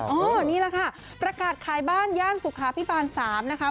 ตอนนี้ล่ะค่ะประกาศขายบ้านย่านสุขาพิพาณ๓นะคะ